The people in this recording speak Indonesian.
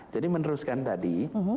jadi meneruskan tadi